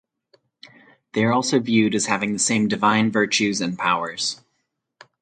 They are also viewed as having the same divine virtues and powers.